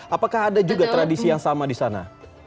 apakah ada juga tradisi yang sama di sana